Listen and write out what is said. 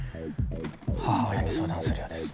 母親に相談するようです。